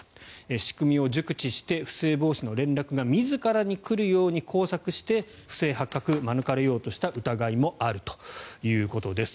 仕組みを熟知して不正防止の連絡が自らに来るように工作して不正発覚を免れようとした疑いもあるということです。